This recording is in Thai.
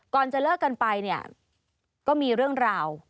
ก่อนจะเลิกกันไปก็มีเรื่องราว